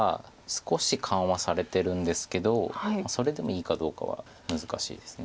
少し緩和されてるんですけどそれでもいいかどうかは難しいです。